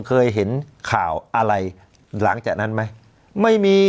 เคยเห็นข่าวอะไรหลังจากนั้นไหมไม่มี